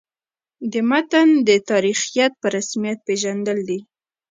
د متن د تاریخیت په رسمیت پېژندل دي.